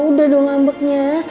udah dong ngambeknya